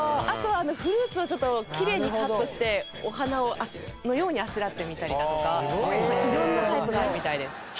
あとはフルーツをちょっときれいにカットしてお花のようにあしらってみたりだとか色んなタイプがあるみたいです。